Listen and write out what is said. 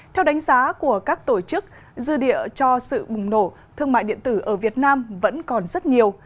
theo đánh giá của các tổ chức dư địa cho sự bùng nổ thương mại điện tử ở việt nam vẫn còn rất nhiều